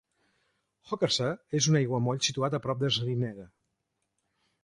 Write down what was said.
Hokersar és un aiguamoll situat a prop de Srinagar.